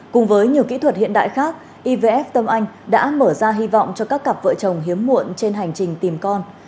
cùng với nhiều kỹ thuật hiện đại khác ivf tâm anh đã mở ra hy vọng cho các cặp vợ chồng hiếm muộn trên hành trình tìm con